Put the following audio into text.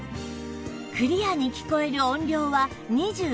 クリアに聞こえる音量は２５